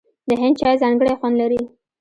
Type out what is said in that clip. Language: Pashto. د هند چای ځانګړی خوند لري.